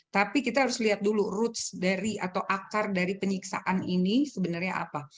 tapi kita harus lihat dulu roots dari atau akar dari penyiksaan ini sebenarnya apa